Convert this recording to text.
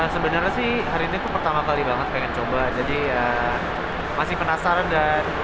sebenarnya sih hari ini tuh pertama kali banget pengen coba jadi ya masih penasaran dan